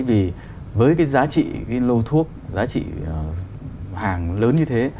vì với cái giá trị cái lô thuốc giá trị hàng lớn như thế